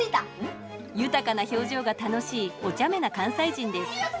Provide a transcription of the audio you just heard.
豊かな表情が楽しいおちゃめな関西人です